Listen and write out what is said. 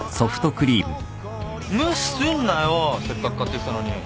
無視すんなよせっかく買ってきたのに。